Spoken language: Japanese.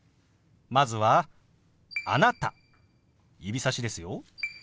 まずは「あなた」指さしですよ。